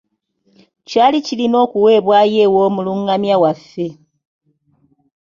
Kyali kirina okuweebwayo ew’omulungamya waffe.